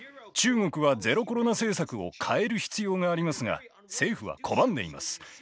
中国はゼロコロナ政策を変える必要がありますが政府は拒んでいます。